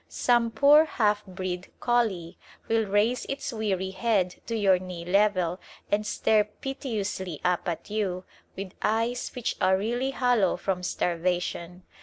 Some poor, halfbreed collie will raise its weary head to your knee level and stare piteously up at you with eyes which are really hollow from starvation.